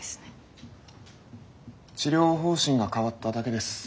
治療方針が変わっただけです。